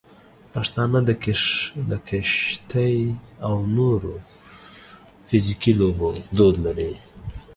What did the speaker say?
پښتانه د کشتۍ او نورو فزیکي لوبو دود لري.